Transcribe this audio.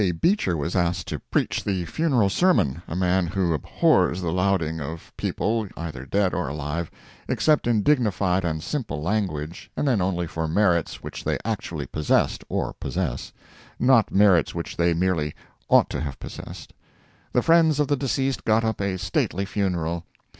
Beecher was asked to preach the funeral sermon—a man who abhors the lauding of people, either dead or alive, except in dignified and simple language, and then only for merits which they actually possessed or possess, not merits which they merely ought to have possessed. The friends of the deceased got up a stately funeral.